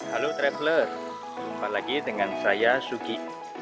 halo traveler jumpa lagi dengan saya sugi